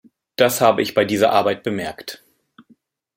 Das habe ich bei dieser Arbeit bemerkt.